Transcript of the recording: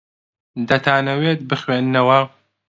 دەتانەوێت بخوێننەوە؟